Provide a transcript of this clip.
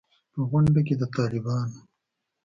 په غونډه کې د طالبانو